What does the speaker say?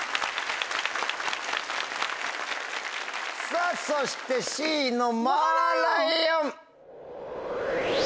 さぁそしてＣのマーライオン！